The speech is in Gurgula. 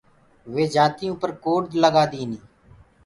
وي جآتيٚنٚ اوپر ڪوڊ لگآ دينيٚ۔